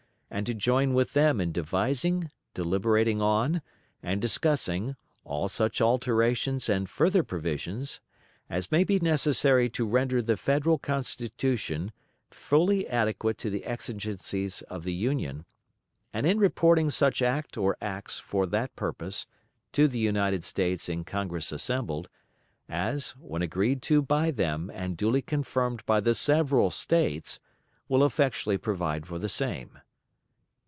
and to join with them in devising, deliberating on, and discussing all such alterations and further provisions as may be necessary to render the Federal Constitution fully adequate to the exigencies of the Union, and in reporting such act or acts for that purpose, to the United States in Congress assembled, as, when agreed to by them and duly confirmed by the several States, will effectually provide for the same."